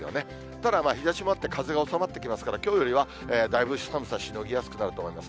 ただ日ざしもあって、風が収まってきますから、きょうよりはだいぶ寒さしのぎやすくなると思います。